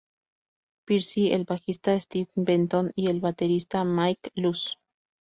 Pierce, el bajista Stevie Benton y el baterista Mike Luce.